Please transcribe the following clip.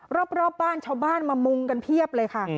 รอบบ้านชาวบ้านมามุงกันเพียบเลยค่ะ